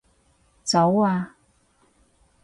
走啊